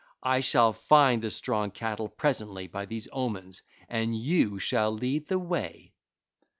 I shall find the strong cattle presently by these omens, and you shall lead the way.